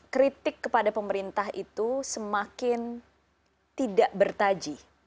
kritik kepada pemerintah itu semakin tidak bertaji